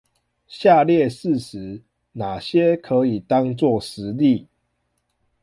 下列事實，那些可以當作實例？